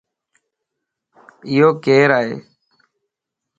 اھو ڪيرائي؟